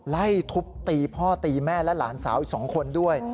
ไล่ทุบตีพ่อตีแม่และหลานสาวอีก๒คนด้วย